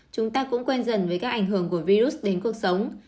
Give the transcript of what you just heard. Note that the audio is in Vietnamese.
chúng ta cũng quen dần với các ảnh hưởng của virus đến cuộc sống